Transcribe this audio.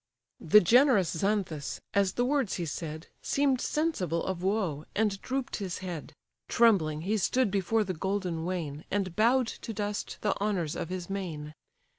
The generous Xanthus, as the words he said, Seem'd sensible of woe, and droop'd his head: Trembling he stood before the golden wain, And bow'd to dust the honours of his mane.